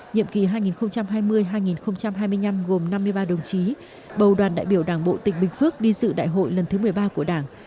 nhiệm kỳ hai nghìn hai mươi hai nghìn hai mươi năm gồm năm mươi ba đồng chí bầu đoàn đại biểu đảng bộ tỉnh bình phước đi dự đại hội lần thứ một mươi ba của đảng